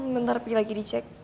bentar pi lagi dicek